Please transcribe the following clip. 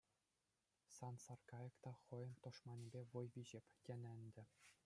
Сан саркайӑк та хӑйӗн тӑшманӗпе вӑй виҫеп, тенӗ ӗнтӗ.